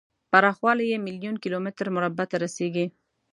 پراخوالی یې میلیون کیلو متر مربع ته رسیږي.